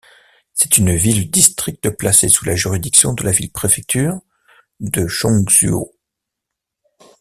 C'est une ville-district placée sous la juridiction de la ville-préfecture de Chongzuo.